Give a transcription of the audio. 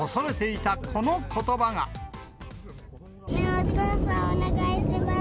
お父さん、お願いします。